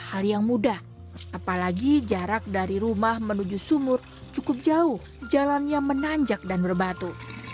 hal yang mudah apalagi jarak dari rumah menuju sumur cukup jauh jalannya menanjak dan berbatu